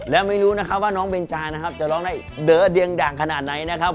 และไม่รู้นะครับว่าน้องเบนจานะครับจะร้องได้เด้อเดียงด่างขนาดไหนนะครับ